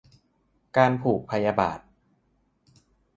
การผูกพยาบาท